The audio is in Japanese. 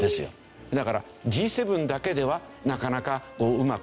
だからＧ７だけではなかなかうまくいかない。